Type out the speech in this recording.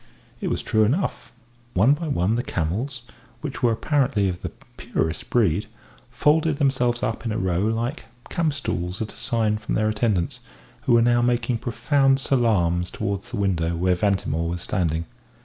It was true enough. One by one the camels, which were apparently of the purest breed, folded themselves up in a row like campstools at a sign from their attendants, who were now making profound salaams towards the window where Ventimore was standing.